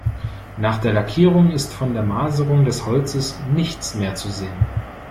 Nach der Lackierung ist von der Maserung des Holzes nichts mehr zu sehen.